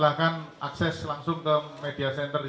orang orang sudah terdeteksi